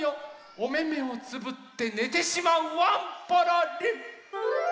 おめめをつぶってねてしまうワンポロリン！